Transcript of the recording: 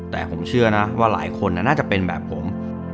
แต่ผมเชื่อนะว่าหลายคนน่าจะเป็นแบบผม